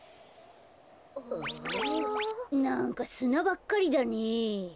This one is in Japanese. なんかすなばっかりだねえ。